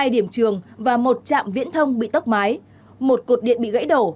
hai điểm trường và một trạm viễn thông bị tốc mái một cột điện bị gãy đổ